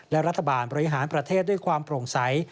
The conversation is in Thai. และรัฐบาลบริหารประเทศด้วยความโปร่งใส